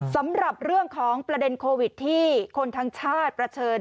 สำหรับเรื่องของประเด็นโควิดที่คนทั้งชาติเผชิญ